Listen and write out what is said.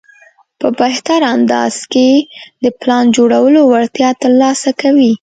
په بهتر انداز کې د پلان جوړولو وړتیا ترلاسه کوي.